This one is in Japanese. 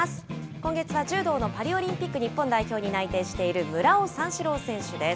今月は柔道のパリオリンピック日本代表に内定している村尾三四郎選手です。